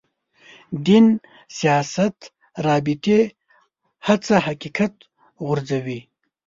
دین سیاست رابطې هڅه حقیقت غورځوي.